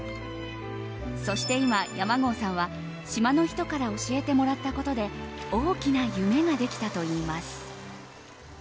そして今、山郷さんは島の人から教えてもらったことで大きな夢ができたといいます。